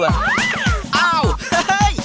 เอ้าเฮ้ย